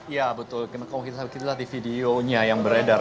ya betul kalau kita lihat di videonya yang beredar